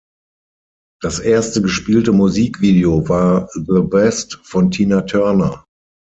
Das erste gespielte Musikvideo war "The Best" von Tina Turner.